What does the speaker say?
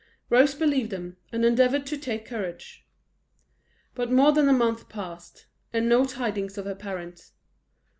Rose believed them, and endeavoured to take courage. But more than a month passed, and no tidings of her parents.